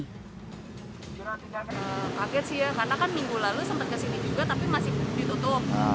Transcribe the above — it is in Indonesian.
kaget sih ya karena kan minggu lalu sempat kesini juga tapi masih ditutup